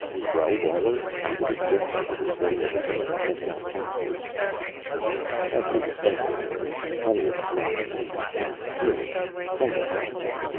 "Well, Lawler, how do the gases that are spreading over Titan test out chemically?" "As was expected, Bert. Plenty of nitrogen. Some helium. Plenty of hydrogen.